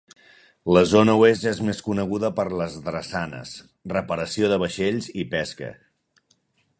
La zona Oest és més coneguda per les drassanes, reparació de vaixells i pesca.